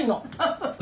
ハハハハ。